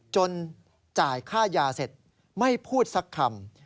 จ่ายค่ายาเสร็จไม่พูดสักคำ